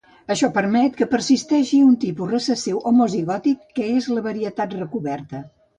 Això permet que persisteixi un tipus recessiu homozigòtic, que és la varietat recoberta.